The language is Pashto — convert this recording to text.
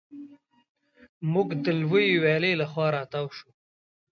موږ د لویې ویالې له خوا را تاو شوو.